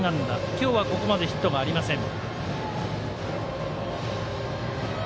今日はここまでヒットはありません。